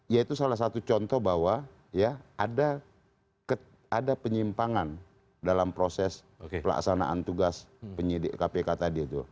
yaitu salah satu contoh bahwa ya ada penyimpangan dalam proses pelaksanaan tugas penyidik kpk tadi itu